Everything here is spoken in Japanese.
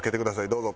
どうぞ。